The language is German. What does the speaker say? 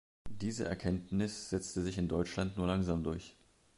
Diese Erkenntnis setzte sich in Deutschland nur langsam durch.